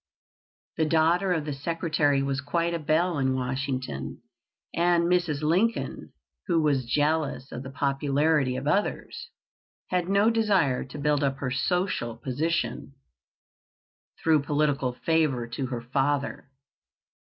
The daughter of the Secretary was quite a belle in Washington, and Mrs. Lincoln, who was jealous of the popularity of others, had no desire to build up her social position through political favor to her father.